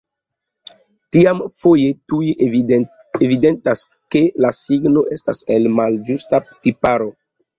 Tiam foje tuj evidentas, ke la signo estas el malĝusta tiparo.